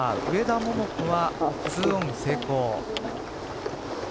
上田桃子は２オン成功。